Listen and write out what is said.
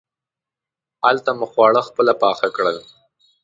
هلته مو خواړه خپله پاخه کړل.